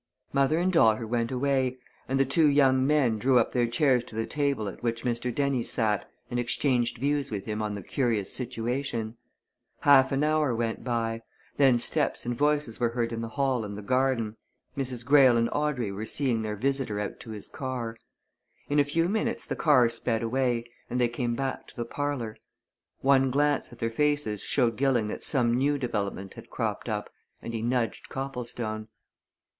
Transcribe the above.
Mother and daughter went away, and the two young men drew up their chairs to the table at which Mr. Dennie sat and exchanged views with him on the curious situation. Half an hour went by; then steps and voices were heard in the hall and the garden; Mrs. Greyle and Audrey were seeing their visitor out to his car. In a few minutes the car sped away, and they came back to the parlour. One glance at their faces showed Gilling that some new development had cropped up and he nudged Copplestone.